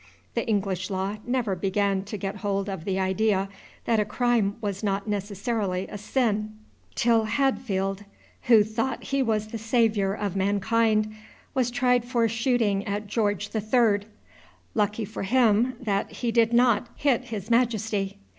The English law never began to get hold of the idea that a crime was not necessarily a sin, till Hadfield, who thought he was the Saviour of mankind, was tried for shooting at George the Third; lucky for him that he did not hit his Majesty!